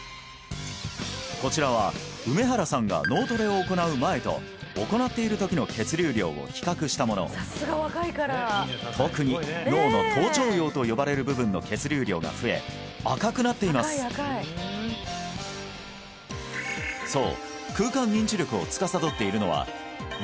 こちらは梅原さんが脳トレを行う前と行っているときの血流量を比較したもの特に脳の頭頂葉と呼ばれる部分の血流量が増え赤くなっていますそう